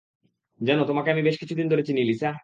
জান, তোমাকে আমি বেশ কিছুদিন হল চিনি, লিসা।